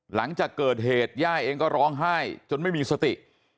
หลังจากเกิดเหตุย่าเองก็ร้องไห้จนไม่มีสติ